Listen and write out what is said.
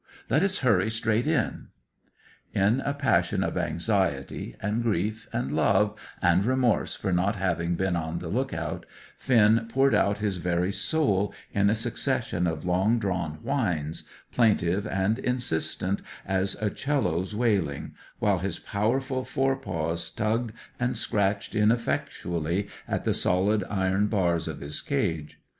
Let us hurry straight in." In a passion of anxiety, and grief, and love, and remorse for not having been on the look out, Finn poured out his very soul in a succession of long drawn whines, plaintive and insistent as a 'cello's wailings, while his powerful fore paws tugged and scratched ineffectually at the solid iron bars of his cage.